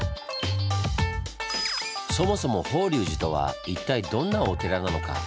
そもそも法隆寺とは一体どんなお寺なのか？